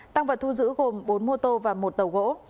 tăng vật thu giữ gồm bốn mô tô và một tàu gỗ